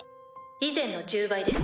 以前の１０倍です。